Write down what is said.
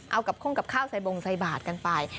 เอากับข้องกับข้าวใส่บงใส่บาทกันไป